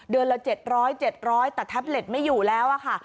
ละ๗๐๐๗๐๐แต่แท็บเล็ตไม่อยู่แล้วค่ะ